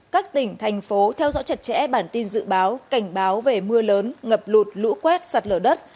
các tỉnh thành phố theo dõi chặt chẽ bản tin dự báo cảnh báo về mưa lớn ngập lụt lũ quét sạt lở đất